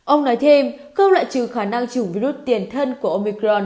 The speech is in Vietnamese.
ông nói thêm không loại trừ khả năng chủng virus tiền thân của omicron